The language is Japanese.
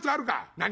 何？